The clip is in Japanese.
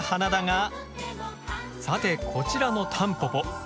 さてこちらのタンポポ